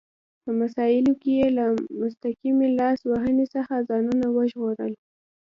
په مسایلو کې یې له مستقیمې لاس وهنې څخه ځانونه ژغورل.